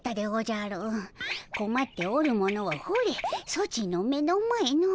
こまっておる者はほれソチの目の前の。